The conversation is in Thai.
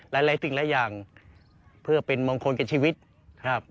หลายสิ่งหลายอย่างเพื่อเป็นมงคลกับชีวิตครับ